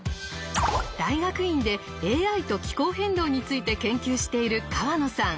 大学院でＡＩと気候変動について研究している河野さん。